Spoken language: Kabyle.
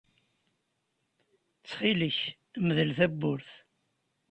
Ttxil-k, mdel tawwurt.